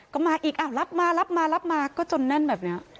ก็มาอีกอ้าวรับมารับมารับมาก็จนแน่นแบบนี้